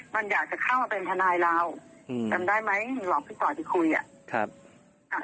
มันอยากจะเข้ามาเป็นทนัยเราจำได้ไหมหลอกพี่ต่อยไปคุย